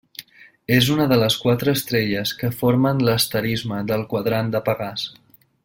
És una de les quatre estrelles que formen l'asterisme del quadrant de Pegàs.